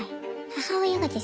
母親がですね